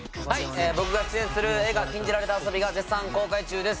僕が出演する映画『禁じられた遊び』が絶賛公開中です。